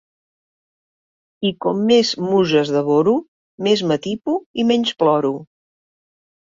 I com més muses devoro més m'atipo i menys ploro.